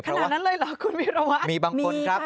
ขนาดนั้นเลยเหรอคุณวิวระวัตรมีค่ะมีบางคนครับ